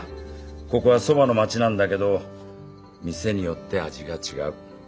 ここはそばの町なんだけど店によって味が違う。